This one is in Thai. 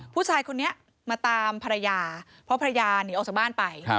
ผู้ชายคนนี้มาตามภรรยาเพราะภรรยาหนีออกจากบ้านไป